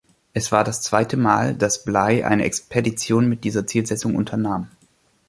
Es war das zweite Mal, das Bligh eine Expedition mit dieser Zielsetzung unternahm.